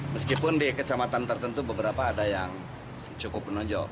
meskipun di kecamatan tertentu beberapa ada yang cukup menonjol